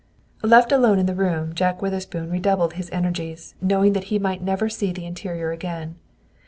Left alone in the room, Jack Witherspoon redoubled his energies, knowing that he might never see the interior again.